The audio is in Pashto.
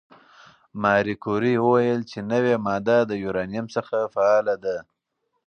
ماري کوري وویل چې نوې ماده د یورانیم څخه فعاله ده.